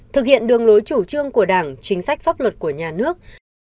thực hiện đường lối chủ trương của đảng chính sách pháp luật của nhà nước